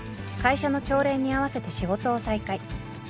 会社の朝礼に合わせて仕事を再開。